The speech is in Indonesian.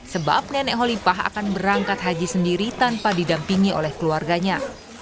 sebab nenek holipah akan berangkat haji sendiri tanpa didampingi oleh keluarganya